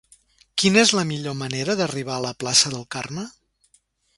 Quina és la millor manera d'arribar a la plaça del Carme?